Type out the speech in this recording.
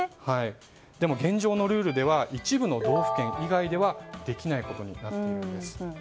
でも現状のルールでは一部の道府県以外ではできないことになっているんです。